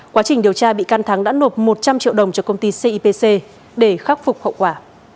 quá trình điều tra bị can thắng đã nộp một trăm linh triệu đồng cho công ty cipc để khắc phục hậu quả